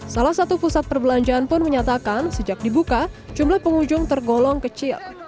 salah satu pusat perbelanjaan pun menyatakan sejak dibuka jumlah pengunjung tergolong kecil